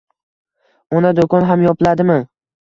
— Ona, do'kon ham yopiladimi?